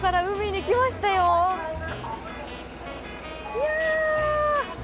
いや。